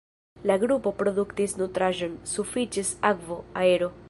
La grupo produktis nutraĵon, sufiĉis akvo, aero.